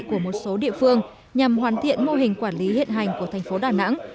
của một số địa phương nhằm hoàn thiện mô hình quản lý hiện hành của tp đà nẵng